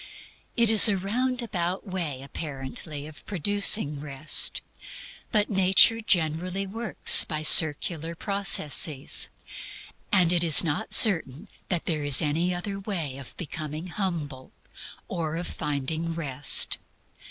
It is a roundabout way, apparently, of producing Rest; but Nature generally works by circular processes; and it is not certain that there is any other way of becoming humble, or of finding Rest.